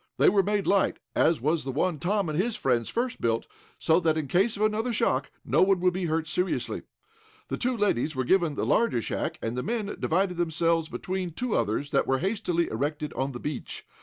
They were made light, as was the one Tom and his friends first built, so that, in case of another shock, no one would be hurt seriously. The two ladies were given the larger shack, and the men divided themselves between two others that were hastily erected on the beach.